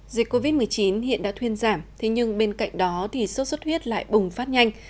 dịch covid một mươi chín hiện đã thuyên giảm nhưng bên cạnh đó số xuất huyết lại bùng phát nhanh